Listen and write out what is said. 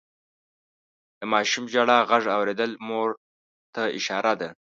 د ماشوم د ژړا غږ اورېدل مور ته اشاره ده.